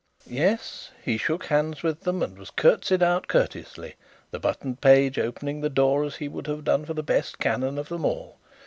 Yes; he shook hands with them, and was curtseyed out courteously, the buttoned page opening the door, as he would have done for the best canon of them all.